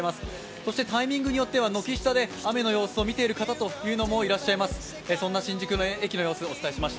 そしてタイミングによっては軒下で雨の様子を見ている方もいらっしゃいます。